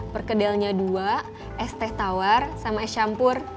perkedelnya dua es teh tawar sama es campur